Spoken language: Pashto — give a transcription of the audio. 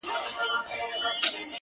o دلته مستي ورانوي دلته خاموشي ورانوي؛